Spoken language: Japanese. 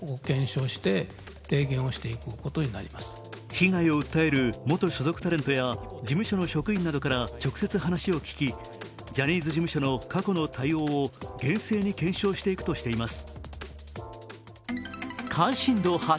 被害を訴える元所属タレントや事務所の職員などから直接話を聞き、ジャニーズ事務所の過去の対応を厳正に検証していくとしています。